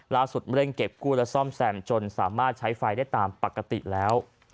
เร่งเก็บกู้และซ่อมแซมจนสามารถใช้ไฟได้ตามปกติแล้ว